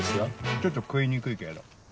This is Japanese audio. ちょっと食いにくいけど。